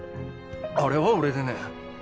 あれは俺でねぇ。